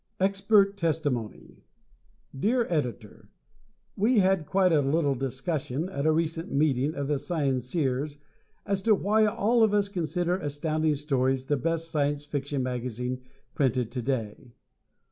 Expert Testimony Dear Editor: We had quite a little discussion at a recent meeting of The Scienceers as to why all of us consider Astounding Stories the best Science Fiction magazine printed to day.